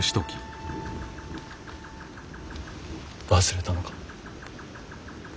忘れたのか。